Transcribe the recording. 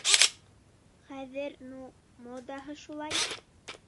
Хәҙер ну... модаһы шулай.